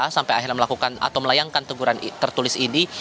sampai akhirnya melakukan atau melayangkan teguran tertulis ini